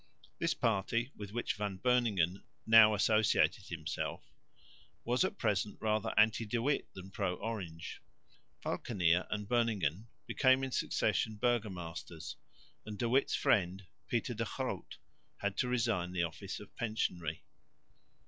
This party, with which Van Beuningen now associated himself, was at present rather anti De Witt than pro Orange. Valckenier and Beuningen became in succession burgomasters; and De Witt's friend, Pieter de Groot, had to resign the office of pensionary.